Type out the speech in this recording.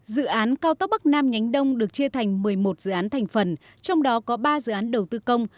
dự án cao tốc bắc nam nhánh đông được chia thành một mươi một dự án thành phần trong đó có ba dự án đầu tư công